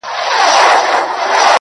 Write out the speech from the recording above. چي نه زر لرې نه مال وي نه آسونه،،!